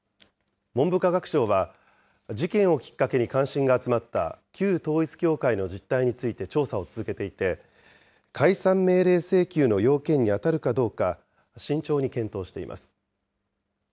文部科学省は、事件をきっかけに関心が集まった、旧統一教会の実態について調査を続けていて、解散命令請求の要件に当たるかどうか、慎重に検討しています。